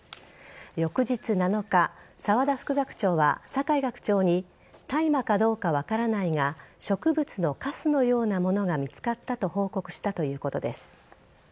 翌日７日沢田副学長は酒井学長に大麻かどうか分からないが植物のカスのようなものが見つかったと報告したということです。